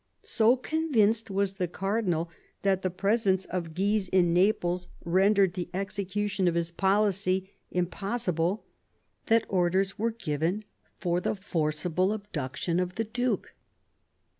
So convinced was the cardinal that the presence of Guise in Naples rendered the execution of his policy impossible, that orders were given for the forcible abduction of the duke.